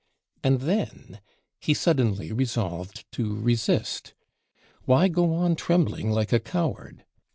And then he suddenly resolved to resist. Why go on trembling like a coward?